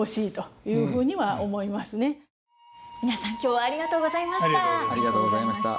皆さん今日はありがとうございました。